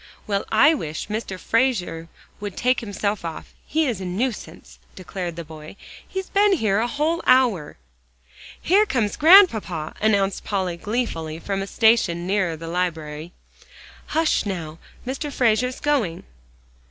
"Well I wish Mr. Frazer would take himself off; he's a nuisance," declared the boy. "He's been here a whole hour." "Here comes Grandpapa!" announced Polly gleefully, from a station nearer the library. "Hush, now, Mr. Frazer's going!"